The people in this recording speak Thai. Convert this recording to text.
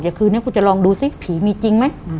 นี่กูจะลองดูซิผีมีจริงไหม